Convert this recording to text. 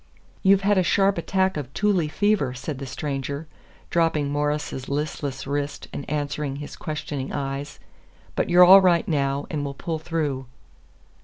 "You've had a sharp attack of 'tule fever,'" said the stranger, dropping Morse's listless wrist and answering his questioning eyes, "but you're all right now, and will pull through."